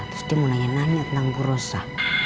terus dia mau nanya nanya tentang bu rosa